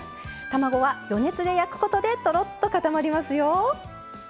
卵は余熱で焼くことでとろっと固まりますよ。